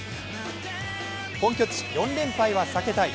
本拠地４連敗は避けたい。